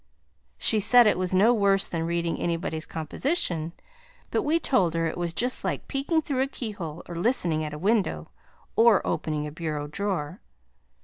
She said it was no worse than reading anybody's composition, but we told her it was just like peeking through a keyhole, or listening at a window, or opening a bureau drawer.